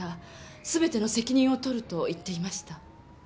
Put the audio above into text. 「すべての責任を取る」と言ってました。